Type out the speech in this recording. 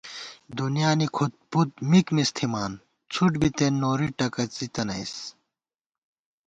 دُنیانی کھُد پُد مِک مِز تھِمان، څھُٹ بِتېن نوری ٹکَڅِتَنَئیس